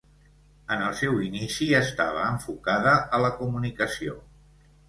En el seu inici estava enfocada a la comunicació.